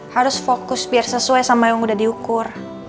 harus fokus biar sesuai sama yang udah diukur